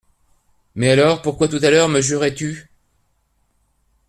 Mais alors pourquoi tout à l’heure me jurais-tu ?…